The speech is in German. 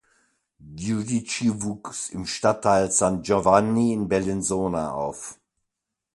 Giudici wuchs im Stadtteil San Giovanni in Bellinzona auf.